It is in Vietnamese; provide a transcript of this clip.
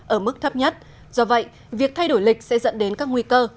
ở mức thấp nhất do vậy việc thay đổi lịch sẽ dẫn đến các nguy cơ